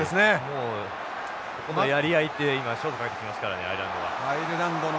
もうここのやり合いで今勝負かけてきてますからねアイルランドは。